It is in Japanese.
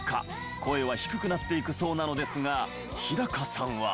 声は低くなっていくそうなのですが日さんは。